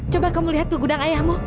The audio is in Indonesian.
coba kamu lihat tuh gudang ayahmu